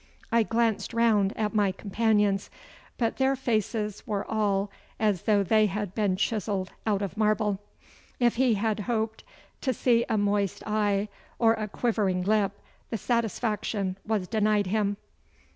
I glanced round at my companions, but their faces were all as though they had been chiselled out of marble. If he had hoped to see a moist eye or a quivering lip, the satisfaction was denied him.